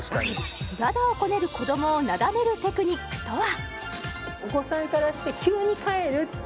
駄々をこねる子どもをなだめるテクニックとは？